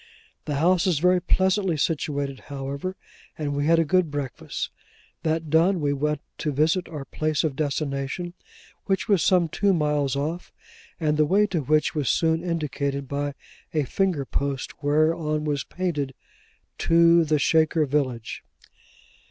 The house is very pleasantly situated, however, and we had a good breakfast. That done, we went to visit our place of destination, which was some two miles off, and the way to which was soon indicated by a finger post, whereon was painted, 'To the Shaker Village.